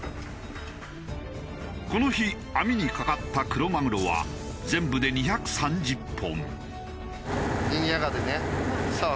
この日網にかかったクロマグロは全部で２３０本。